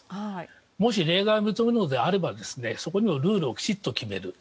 もし例外をとるならばそこにもルールをきちっと決める。